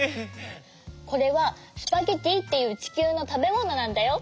これはスパゲッティっていうちきゅうのたべものなんだよ。